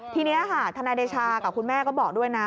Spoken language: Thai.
ทีนี้ค่ะทนายเดชากับคุณแม่ก็บอกด้วยนะ